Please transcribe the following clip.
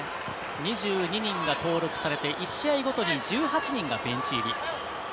２１人が連ねて１試合ごとに１８人がベンチ入り。